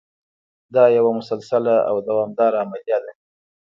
دا یوه مسلسله او دوامداره عملیه ده.